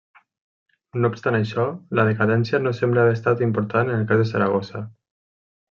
No obstant això, la decadència no sembla haver estat important en el cas de Saragossa.